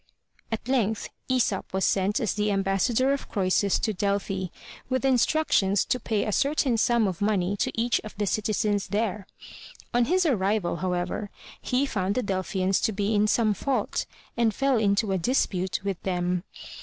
At length Aesop was sent as the ambassador of Croesus to Delphi, with instructions to pay a certain sum of money to each of the citizens there. On his arrival, however, he found the Del phians to be in some fault and fell into a dispute with them.